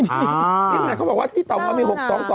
ที่ไหนเขาบอกว่าที่ต่อเขามี๖๒๒๖๒๘๘๒๗๒๘